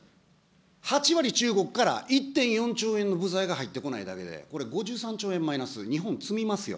８割中国から１．４兆円の部材が入ってこないだけで、これ、５３兆円マイナス、日本詰みますよ。